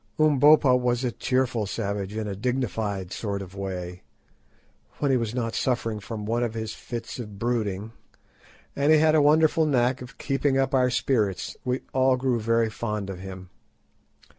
Umbopa was a cheerful savage, in a dignified sort of way, when he was not suffering from one of his fits of brooding, and he had a wonderful knack of keeping up our spirits. We all grew very fond of him.